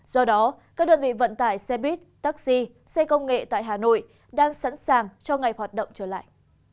do đó các đơn vị vận tải xe buýt taxi xe công nghệ tại hà nội đang sẵn sàng cho ngày hoạt động trở lại